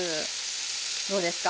どうですか？